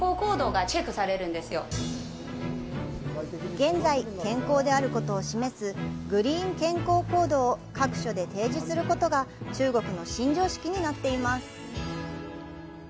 現在健康であることを示す「グリーン健康コード」を各所で提示することが中国の新常識になっています。